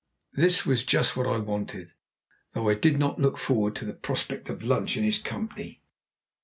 This was just what I wanted, though I did not look forward to the prospect of lunch in his company.